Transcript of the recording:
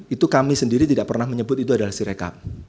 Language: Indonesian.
itu kami sendiri tidak pernah menyebut itu adalah sirekap